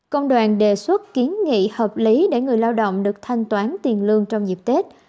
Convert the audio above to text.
công đoàn đề xuất kiến nghị hợp lý để người lao động được thanh toán tiền lương trong dịp tết